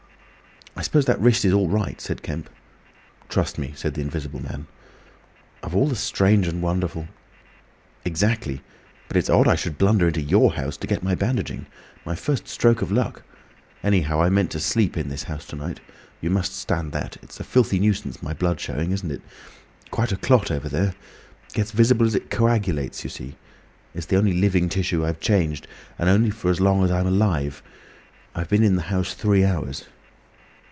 "I suppose that wrist is all right," said Kemp. "Trust me," said the Invisible Man. "Of all the strange and wonderful—" "Exactly. But it's odd I should blunder into your house to get my bandaging. My first stroke of luck! Anyhow I meant to sleep in this house to night. You must stand that! It's a filthy nuisance, my blood showing, isn't it? Quite a clot over there. Gets visible as it coagulates, I see. It's only the living tissue I've changed, and only for as long as I'm alive.... I've been in the house three hours."